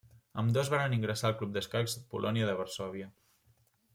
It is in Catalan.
Ambdós varen ingressar al club d'escacs Polònia de Varsòvia.